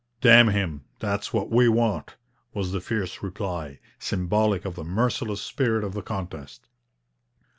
'Damn him! that's what we want,' was the fierce reply, symbolic of the merciless spirit of the contest.